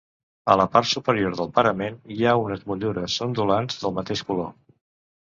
A la part superior del parament hi ha unes motllures ondulants del mateix color.